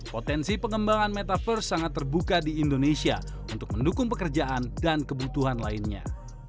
potensi pengembangan metaverse sangat terbuka di indonesia untuk mendukung pekerjaan dan kebutuhan lainnya